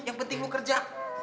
yang penting kamu kerja